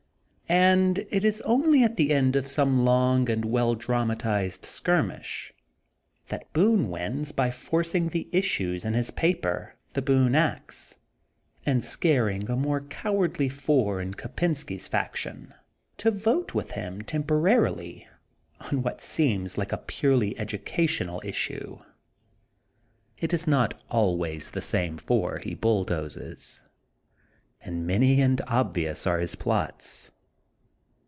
And it is only at the end of some long and well dramatized skirmish that Boone wins by forcing the is •saes in his paper the Boone Ax and scaring a more cowardly four in Kopensky's faction to vote with him temporarily on what seems a purely educational issue. It is not always the same four he bulldozes and many and obvious are his plots.